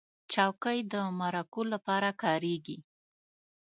چوکۍ د مرکو لپاره کارېږي.